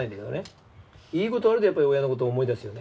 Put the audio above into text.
いい事あるとやっぱり親の事を思い出すよね。